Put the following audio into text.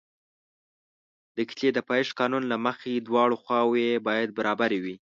د کتلې د پایښت قانون له مخې دواړه خواوې باید برابرې وي.